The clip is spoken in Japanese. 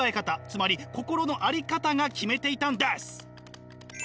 つまり心の在り方が決めていたんです。